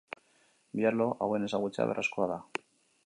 Bi arlo hauen ezagutzea beharrezkoa da.